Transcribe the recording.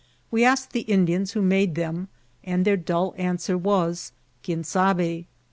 We asked the Indians who made them, and their duU an* swer was " Quien sabe ?"